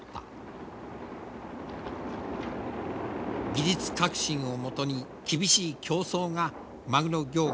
技術革新をもとに厳しい競争がマグロ業界の中で行われた。